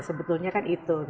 sebetulnya kan itu